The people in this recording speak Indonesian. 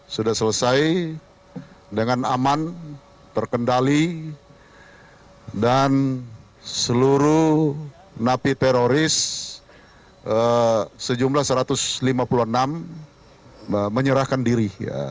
sudah selesai dengan aman terkendali dan seluruh napi teroris sejumlah satu ratus lima puluh enam menyerahkan diri